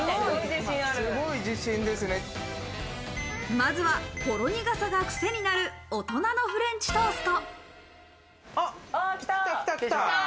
まずは、ほろ苦さがクセになる大人のフレンチトースト。